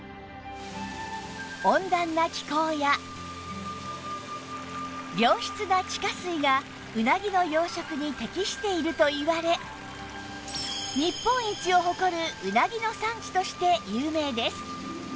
温暖な気候や良質な地下水がうなぎの養殖に適しているといわれ日本一を誇るうなぎの産地として有名です